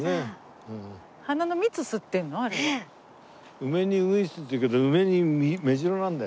「梅に鶯」っていうけど梅にメジロなんだよね。